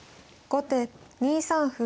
後手２三歩。